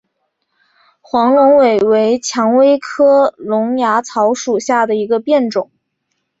黄龙尾为蔷薇科龙芽草属下的一个变种。